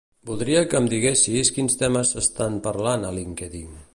Voldria que em diguessis quins temes s'estan parlant a LinkedIn.